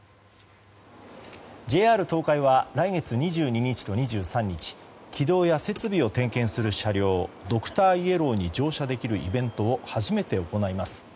ＪＲ東海は来月２２日と２３日軌道や設備を点検する車両「ドクターイエロー」に乗車できるイベントを初めて行います。